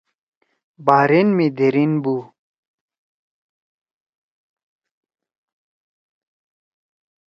بحرین می دھیریِن بُ